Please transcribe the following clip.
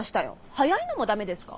早いのもダメですか。